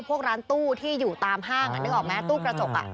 พวกร้านตู้ที่อยู่ตามห้างนึกออกไหมตู้กระจก